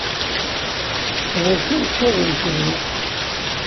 D acu i yečča d imekli?